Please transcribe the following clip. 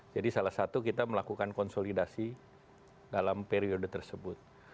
jadi salah satu kita melakukan konsolidasi dalam periode tersebut